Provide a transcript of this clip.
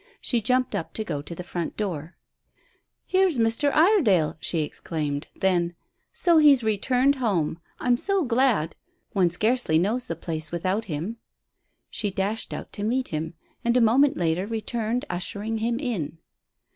She jumped up to go to the front door. "Here's Mr. Iredale!" she exclaimed. Then: "So he's returned home. I'm so glad. One scarcely knows the place without him." She dashed out to meet him, and, a moment later, returned ushering him in.